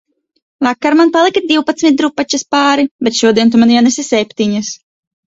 Vakar man palika divpadsmit drupačas pāri, bet šodien tu man ienesi septiņas